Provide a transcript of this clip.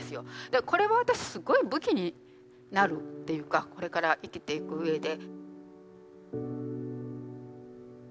これは私すごい武器になるっていうかこれから生きていく上で。